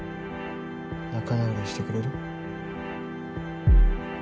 仲直りしてくれる？